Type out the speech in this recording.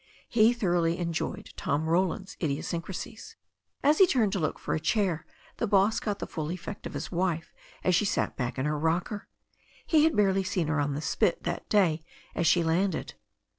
He thoroughly enjoyed Tom Roland's idiosyncrasies. As he turn^ to look for a chair, the boss got the full effect of his wife as she sat back in her rocker. He had barely seen her on the spit that day as she landed.